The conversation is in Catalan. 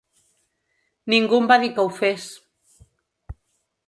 Ningú em va dir que ho fes.